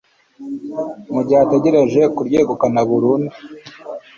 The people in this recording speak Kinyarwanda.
mu gihe ategereje kuryegukana burundu